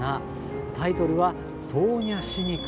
タイトルはソーニャシニク。